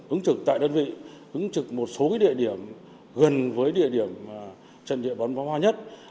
ứng trực tại đơn vị ứng trực một số địa điểm gần với địa điểm trận địa bắn phá hoa nhất